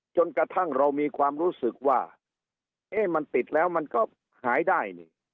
จนกระทั่งเรามีความรู้สึกว่าเอ๊ะมันติดแล้วมันก็หายได้นี่